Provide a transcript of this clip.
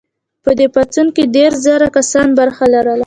په دې پاڅون کې دیرش زره کسانو برخه لرله.